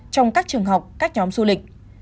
trong các trường học các nhóm du lịch